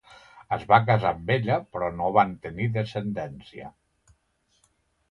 Es va casar amb ella però no van tenir descendència.